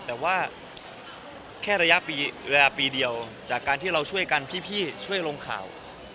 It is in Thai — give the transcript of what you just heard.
แต่ว่าแค่ระยะเวลาปีเดียวจากการที่เราช่วยกันพี่ช่วยลงข่าว